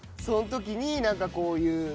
そんときに何かこういう。